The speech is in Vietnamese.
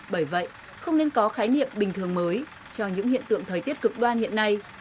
bởi vậy không nên có khái niệm bình thường mới cho những hiện tượng thời tiết cực đoan hiện nay